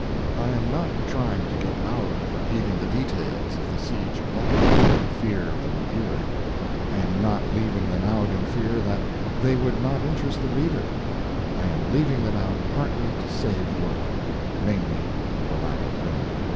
I am not trying to get out of repeating the details of the Siege of Lucknow in fear of the reviewer; I am not leaving them out in fear that they would not interest the reader; I am leaving them out partly to save work; mainly for lack of room.